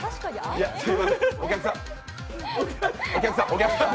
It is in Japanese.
お客さん！